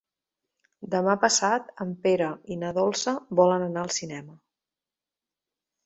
Demà passat en Pere i na Dolça volen anar al cinema.